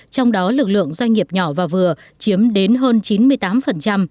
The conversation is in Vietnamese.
trong đó lực lượng doanh nghiệp nhỏ và vừa chiếm đến hơn chín mươi tám